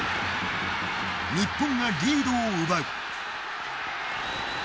日本がリードを奪う。